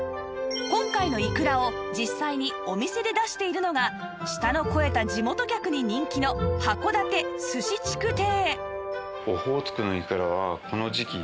今回のいくらを実際にお店で出しているのが舌の肥えた地元客に人気の函館鮨竹亭